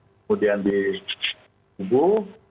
kemudian di tubuh